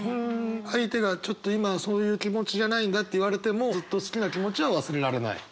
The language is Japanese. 相手がちょっと今そういう気持ちじゃないんだって言われてもずっと好きな気持ちは忘れられない？